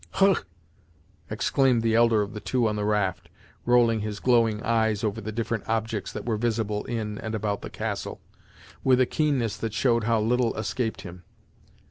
"Hugh!" exclaimed the elder of the two on the raft, rolling his glowing eyes over the different objects that were visible in and about the Castle, with a keenness that showed how little escaped him.